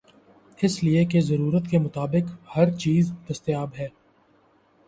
اس لئے کہ ضرورت کے مطابق ہرچیز دستیاب ہے۔